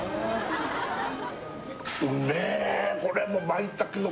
うめえ！